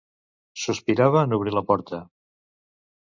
Sospirava en obrir la porta.